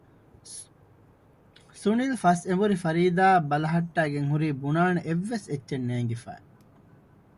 ސުނިލް ފަސް އެނބުރި ފަރީދާއަށް ބަލަހައްޓައިގެން ހުރީ ބުނާނެ އެއްވެސް އެއްޗެއް ނޭންގިފަ